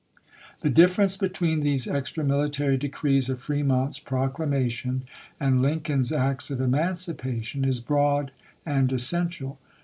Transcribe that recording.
The difference between these extra military de crees of Fremont's proclamation and Lincoln's acts of emancipation is broad and essential.